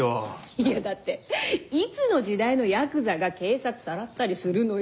いやだっていつの時代のヤクザが警察さらったりするのよ。